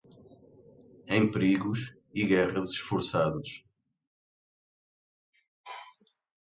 Em perigos e guerras esforçados